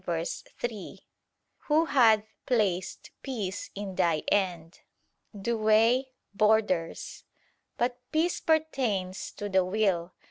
147:3): "Who hath placed peace in thy end [Douay: 'borders']". But peace pertains to the will.